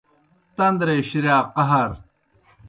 تندرے شِریا قہر